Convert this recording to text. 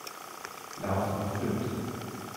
Lauf noch führte.